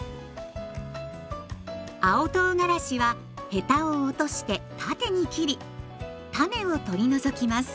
青とうがらしはヘタを落として縦に切り種を取り除きます。